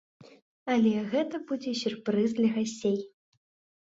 Але гэта будзе сюрпрыз для гасцей.